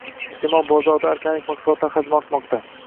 Iste’mol bozorida organik mahsulotlar hajmi ortmoqdang